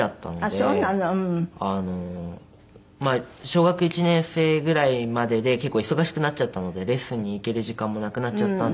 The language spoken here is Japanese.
小学１年生ぐらいまでで結構忙しくなっちゃったのでレッスンに行ける時間もなくなっちゃったんですけど。